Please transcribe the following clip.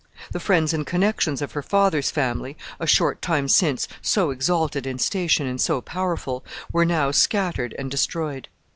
The friends and connections of her father's family, a short time since so exalted in station and so powerful, were now scattered and destroyed.